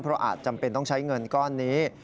เพราะอาจจำเป็นต้องใช้เงินก้อนนี้